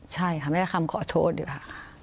ใช่ค่ะไม่ได้คำขอโทษอยู่ค่ะ